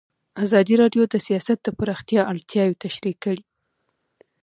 ازادي راډیو د سیاست د پراختیا اړتیاوې تشریح کړي.